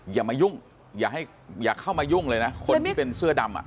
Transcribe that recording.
อย่ามายุ่งอย่าเข้ามายุ่งเลยนะคนที่เป็นเสื้อดำ